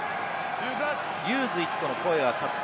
ユーズイットの声がかかった。